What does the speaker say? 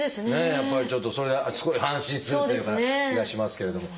やっぱりちょっとそれはすごい安心するという気がしますけれども。